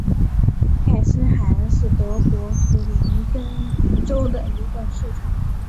盖森海恩是德国图林根州的一个市镇。